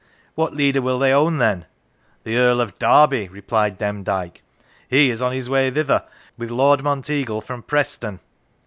"What leader will they own then?" "The Earl of Derby," replied Demdike, " he is on his way thither with Lord Monteagle from Preston."